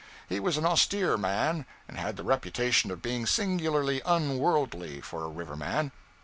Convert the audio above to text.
He was an austere man, and had the reputation of being singularly unworldly, for a river man.